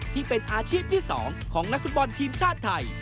ที่เป็นอาชีพที่๒ของนักฟุตบอลทีมชาติไทย